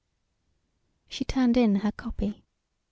She turned in her copy.